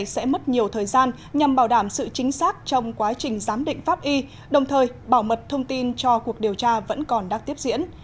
sẽ mất nhiều thời gian nhằm bảo đảm sự chính xác trong quá trình giám định pháp y đồng thời bảo mật thông tin cho cuộc điều tra vẫn còn đang tiếp diễn